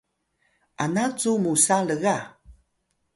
ana cu musa lga?